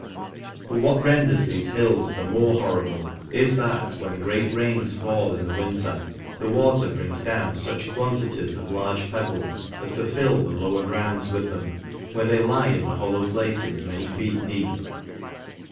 But what renders thefe hills the more horrible, is that, when great rains fall in the winter, the water brings down fuch quantities of large pebbles, as to fill the lower grounds with them, where they lie in the hollow places many feet deep.